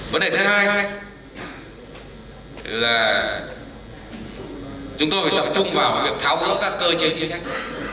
vấn đề thứ hai là chúng tôi phải tập trung vào việc tháo bỡ các cơ chế chiến trách